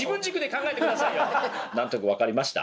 何となく分かりました？